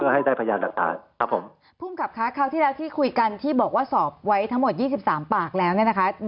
เพื่อให้ได้พยายามรักษาครับผมค่ะเข้าที่แล้วที่คุยกันที่บอกว่าสอบไว้ทั้งหมดยี่สิบสามปากแล้วเนี้ยนะคะ